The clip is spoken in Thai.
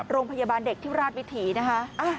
โรงพยาบาลเด็กที่ราชวิถีนะคะ